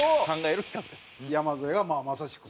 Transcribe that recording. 山添がまさしくそうで。